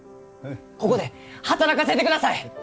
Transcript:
ここで働かせてください！